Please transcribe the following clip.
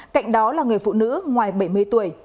cạnh đó là người phụ nữ ngoài bảy mươi tuổi